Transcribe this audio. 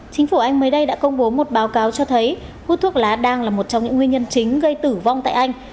chính phủ anh mới đây đã công bố một báo cáo cho thấy hút thuốc lá đang là một trong những nguyên nhân chính gây tử vong tại anh